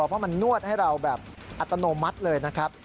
เพราะมันนวดให้เราแบบอัตโนมัติเลยนะครับ